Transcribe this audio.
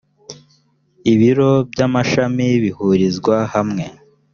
ibiro by amashami bihurizwa hamwe